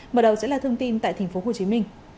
mở đầu sẽ là thông tin tại tp hcm